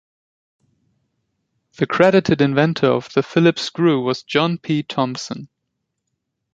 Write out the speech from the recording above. The credited inventor of the Phillips screw was John P. Thompson.